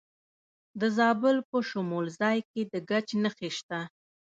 د زابل په شمولزای کې د ګچ نښې شته.